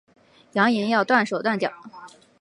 扬言要断手断脚